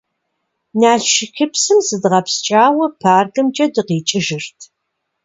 Налшыкыпсым зыщыдгъэпскӀауэ паркымкӀэ дыкъикӀыжырт.